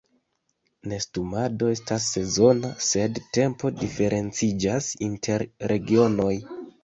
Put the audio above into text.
Nestumado estas sezona, sed tempo diferenciĝas inter regionoj.